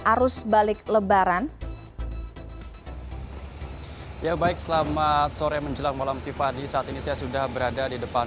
arus balik lebaran ya baik selamat sore menjelang malam tiffany saat ini saya sudah berada di depan